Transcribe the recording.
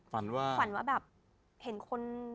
ฝันว่าแบบเห็นคน